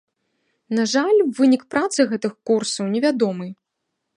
На жаль, вынік працы гэтых курсаў невядомы.